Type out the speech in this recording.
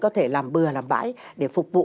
có thể làm bừa làm bãi để phục vụ